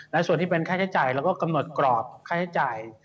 และส่วนที่เป็นค่าใช้จ่ายแล้วก็กำหนดกรอบค่าใช้จ่าย